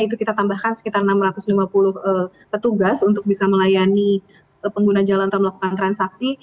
itu kita tambahkan sekitar enam ratus lima puluh petugas untuk bisa melayani pengguna jalan atau melakukan transaksi